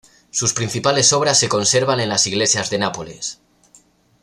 Sus principales obras se conservan en las iglesias de Nápoles.